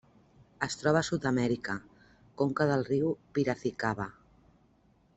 Es troba a Sud-amèrica: conca del riu Piracicaba.